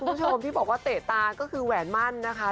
คุณผู้ชมที่บอกว่าเตะตาก็คือแหวนมั่นนะคะ